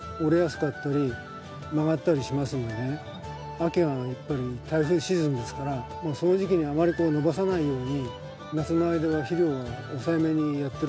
秋はやっぱり台風シーズンですからもうその時期にあまり伸ばさないように夏の間は肥料を抑えめにやってるんですけども。